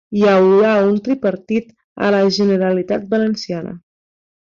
Hi haurà un tripartit a la Generalitat Valenciana